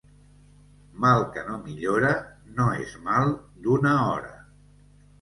Mal que no millora no és mal d'una hora.